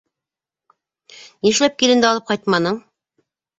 Нишләп киленде алып ҡайтманың?